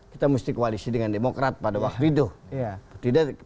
kita mesti koalisi dengan demokrat pada waktu itu